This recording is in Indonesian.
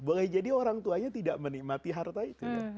boleh jadi orang tuanya tidak menikmati harta itu